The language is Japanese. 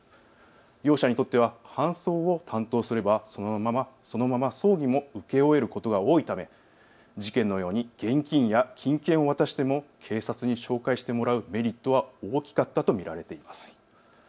業者にとっては搬送を担当すればそのまま葬儀も請け負えることが多いため事件のように現金や金券を渡しても警察に紹介してもらうメリットを大きかったと見られています。